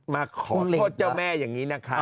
มาขอโทษเจ้าแม่อย่างนี้นะครับ